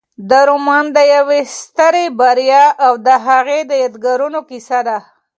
دا رومان د یوې سترې بریا او د هغې د یادګارونو کیسه ده.